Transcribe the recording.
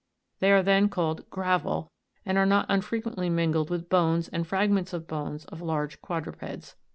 They are then called ' gravel,' and are riot unfrequently mingled with bones and fragments of bones of large quadrupeds."